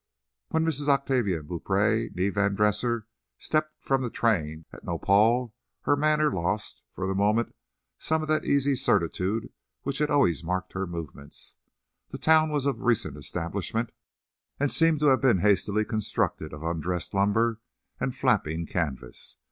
When Mrs. Octavia Beaupree, née Van Dresser, stepped from the train at Nopal, her manner lost, for the moment, some of that easy certitude which had always marked her movements. The town was of recent establishment, and seemed to have been hastily constructed of undressed lumber and flapping canvas.